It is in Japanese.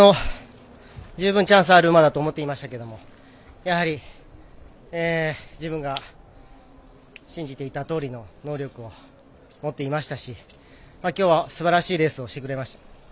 十分、チャンスある馬だと思っていましたけどやはり、自分が信じていたとおりの能力を持っていましたしきょう、すばらしいレースをしてくれました。